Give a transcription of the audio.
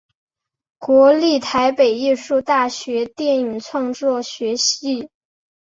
国立台北艺术大学电影创作学系